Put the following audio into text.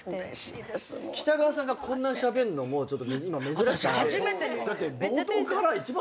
北川さんがこんなにしゃべんの珍しくて。